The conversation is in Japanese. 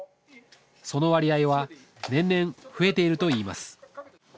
その割合は年々増えているといいます。